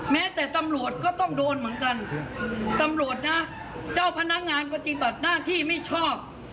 แม้แต่ตำรวจก็ต้องโดนเหมือนกันตำรวจนะเจ้าพนักงานปฏิบัติหน้าที่ไม่ชอบ